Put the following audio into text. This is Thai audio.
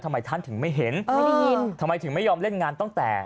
ทำไมท่านถึงไม่เห็นไม่ได้ยินทำไมถึงไม่ยอมเล่นงานตั้งแต่